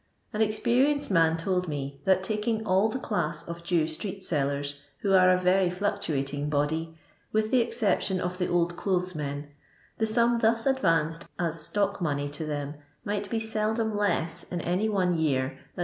An experienced man told me, that taking all the class of Jew street sellers, who are a very fluctuating body, with the excep tion of the old clothes men, the sum thus ad vanced as stock money to them might be seldom less in any one year than 300